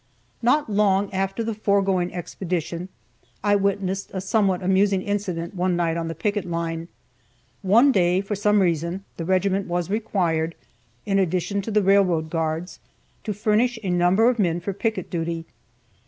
Not long after the foregoing expedition, I witnessed a somewhat amusing incident one night on the picket line. One day, for some reason, the regiment was required, in addition to the railroad guards, to furnish a number of men for picket duty.